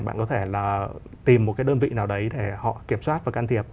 bạn có thể là tìm một cái đơn vị nào đấy để họ kiểm soát và can thiệp